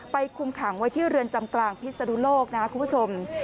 คุมขังไว้ที่เรือนจำกลางพิศนุโลกนะครับคุณผู้ชม